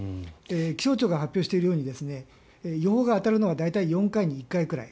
気象庁が発表しているように予報が当たるのが大体４回に１回くらい。